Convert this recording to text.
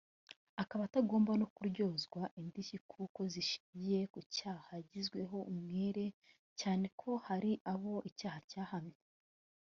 akaba atagomba no kuryozwa indishyi kuko zishingiye ku cyaha yagizweho umwere cyane ko hari abo icyaha cyahamye”